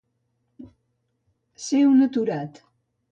Ser un aturat.